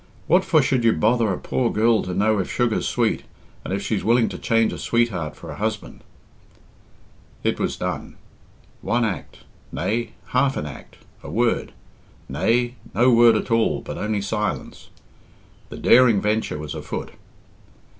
What for should you bother a poor girl to know if sugar's sweet, and if she's willing to change a sweetheart for a husband?" It was done. One act nay, half an act; a word nay, no word at all, but only silence. The daring venture was afoot.